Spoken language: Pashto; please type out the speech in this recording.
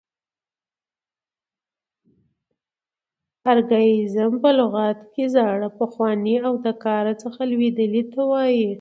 ارکاییزم په لغت کښي زاړه، پخواني او د کاره څخه لوېدلي ته وایي.